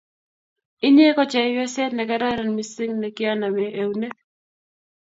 inye ko chepyoset ne kararn mising ne kianame eunek